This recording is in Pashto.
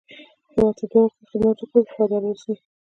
هېواد ته دعا وکړئ، خدمت وکړئ، وفاداره واوسی